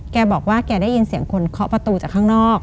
แกบอกว่าแกได้ยินเสียงคนเคาะประตูจากข้างนอก